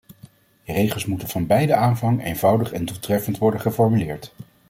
Regels moeten van bij de aanvang eenvoudig en doeltreffend worden geformuleerd.